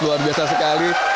luar biasa sekali